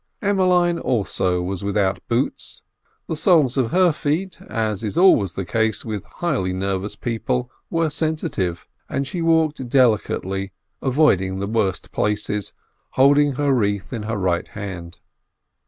Emmeline also was without boots. The soles of her feet, as is always the case with highly nervous people, were sensitive, and she walked delicately, avoiding the worst places, holding her wreath in her right hand.